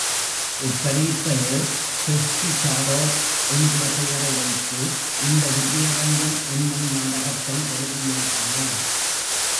இப் பரீட்சையில் டெஸ்டி காடோ என்கிற பெயரை வைத்து இந்த விஜயரங்கம் என்னும் நாடகத்தை எழுதியனுப்பினேன்.